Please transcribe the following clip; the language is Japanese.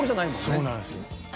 そうなんですよ。